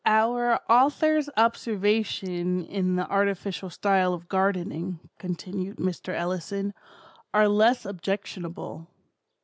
"Our author's observations on the artificial style of gardening," continued Mr. Ellison, "are less objectionable.